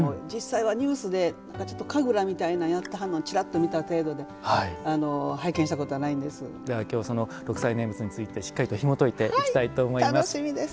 実際はニュースでなんかちょっと神楽みたいなのを見ているのをちらっと見ただけで六斎念仏についてしっかりとひもといていきたいと思います。